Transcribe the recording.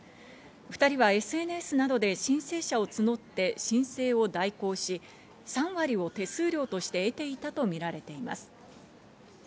２人はＳＮＳなどで申請者を募って申請を代行し、３割を手数料として得ていたとみられています。